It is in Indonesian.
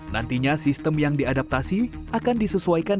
nantinya sistem yang diadaptasi akan disesuaikan dengan kemampuan pembayaran